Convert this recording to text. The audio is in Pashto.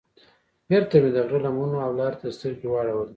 بېرته مې د غره لمنو او لارې ته سترګې واړولې.